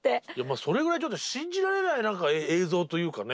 それぐらいちょっと信じられない映像というかね。